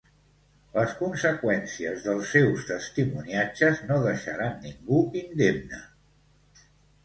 Les conseqüències dels seus testimoniatges no deixaran ningú indemne.